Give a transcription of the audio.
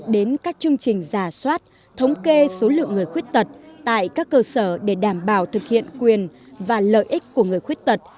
đến các chương trình giả soát thống kê số lượng người khuyết tật tại các cơ sở để đảm bảo thực hiện quyền và lợi ích của người khuyết tật